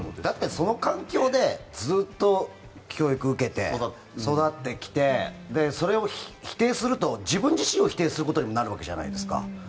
だって、その環境でずっと教育を受けて育ってきてそれを否定すると自分自身を否定することになるじゃないですか。